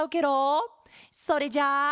それじゃあ。